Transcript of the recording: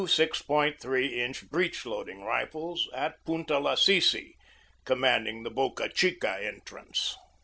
3 inch breech loading rifles at Punta Lasisi, commanding the Boca Chica entrance.